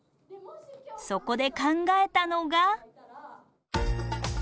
そこで考えたのが。